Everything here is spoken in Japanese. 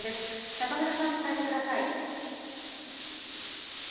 中村さん、伝えてください。